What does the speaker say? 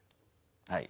はい。